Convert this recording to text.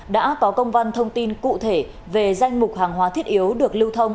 đã có công văn thông tin cụ thể về danh mục hàng hóa thiết yếu được lưu thông